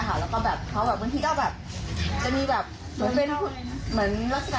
จะเป็นแบบหลากหลายอย่างนี้อ่ะค่ะ